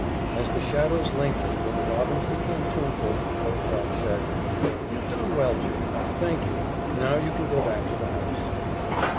As the shadows lengthened and the robins became tuneful, Holcroft said, "You've done well, Jane. Thank you. Now you can go back to the house."